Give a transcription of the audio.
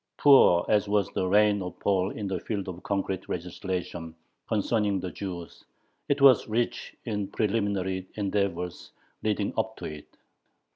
Poor as was the reign of Paul in the field of concrete legislation concerning the Jews, it was rich in preliminary endeavors leading up to it.